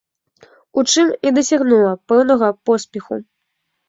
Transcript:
У чым і дасягнула пэўнага поспеху.